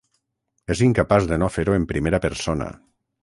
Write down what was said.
És incapaç de no fer-ho en primera persona.